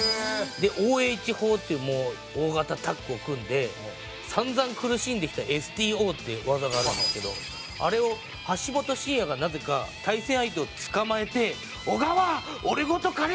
でＯＨ砲っていうもう大型タッグを組んで散々苦しんできたＳＴＯっていう技があるんですけどあれを橋本真也がなぜか対戦相手を捕まえて「小川オレごと刈れ！」